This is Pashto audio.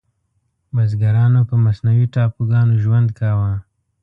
بزګرانو په مصنوعي ټاپوګانو ژوند کاوه.